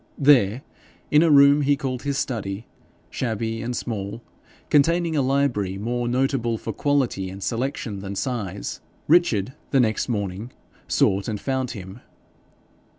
There, in a room he called his study, shabby and small, containing a library more notable for quality and selection than size, Richard the next morning sought and found him.